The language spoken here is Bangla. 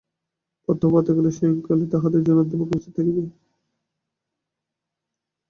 প্রত্যহ প্রাতঃকালে এবং সায়ংকালে তাহাদের জন্য অধ্যাপক উপস্থিত থাকিবে।